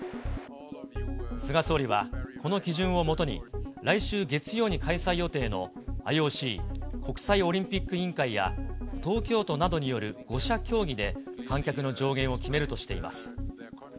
菅総理はこの基準をもとに、来週月曜日に開催予定のＩＯＣ・国際オリンピック委員会や、東京都などによる５者協議で観客の上限を決めるとしています。